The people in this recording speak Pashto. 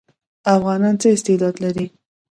افغانان څه استعداد لري؟